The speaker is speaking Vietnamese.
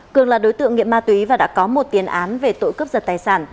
cường là đối tượng nghiệp ma túy và đã có một tiến án về tội cướp giật tài sản